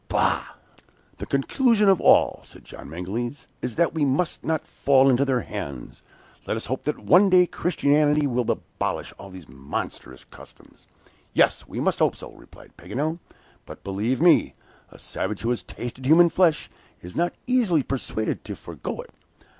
bah!" "The conclusion of all," said John Mangles, "is that we must not fall into their hands. Let us hope that one day Christianity will abolish all these monstrous customs." "Yes, we must hope so," replied Paganel; "but, believe me, a savage who has tasted human flesh, is not easily persuaded to forego it.